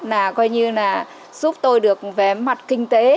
là coi như là giúp tôi được về mặt kinh tế